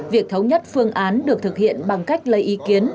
việc thống nhất phương án được thực hiện bằng cách lấy ý kiến